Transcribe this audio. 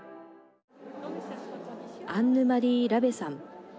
アンヌマリー・ラベさん。